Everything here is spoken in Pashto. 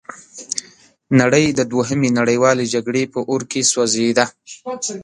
نړۍ د دوهمې نړیوالې جګړې په اور کې سوځیده.